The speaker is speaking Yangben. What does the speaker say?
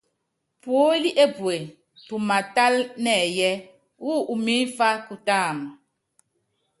Puólí epú tumaátala nɛyɛ́, wú umimfá kutáama?